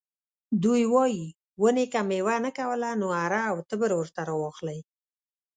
دوی وايي ونې که میوه نه کوله نو اره او تبر ورته راواخلئ.